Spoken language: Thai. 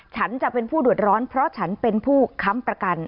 ฉันจะเป็นผู้เดือดร้อนเพราะฉันเป็นผู้ค้ำประกัน